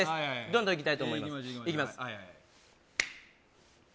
どんどんいきたいと思いますいきます